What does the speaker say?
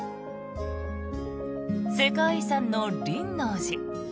世界遺産の輪王寺。